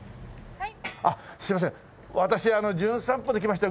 「はい？」